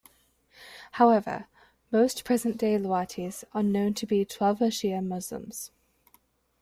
However, most present-day Lawatis are known to be Twelver Shia Muslims.